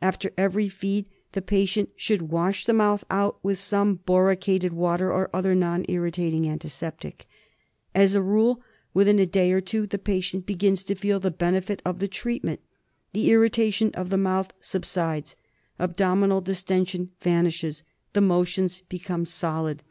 After every feed the patient should wash the mouth out with some boricated water or other non irritating antiseptic. As a rule, within a day or two the patient begins to feel the benefit of the treatment. The irritation of the mouth subsides, abdominal distension vanishes, the motions become solid.